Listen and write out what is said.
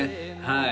はい